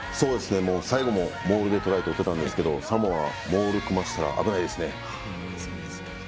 最後もモールでトライ取ってたんですけどサモア、モール組ましたら危ないですね。